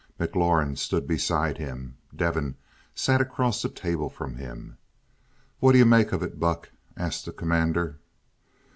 McLaurin stood beside him, Devin sat across the table from him. "What do you make of it, Buck?" asked the Commander.